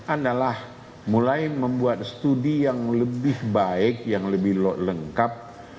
adalah mulai membuat studi yang lebih baik yang lebih lengkap